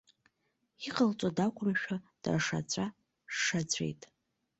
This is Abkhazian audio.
Иҟалҵара дақәымшәо, даашаҵәы-шаҵәит.